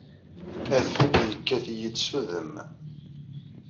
Adfel yekkat-iyi-d s udem.